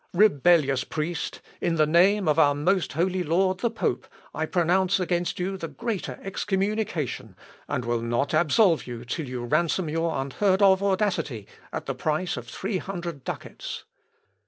"Rebellious priest! in the name of our most holy lord the pope, I pronounce against you the greater excommunication, and will not absolve you till you ransom your unheard of audacity at the price of three hundred ducats."...